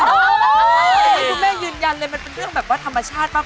คุณแม่ยืนยันเลยมันเป็นเรื่องแบบว่าธรรมชาติมาก